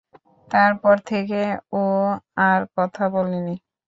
তারপর থেকে ও আর কথা বলেনি।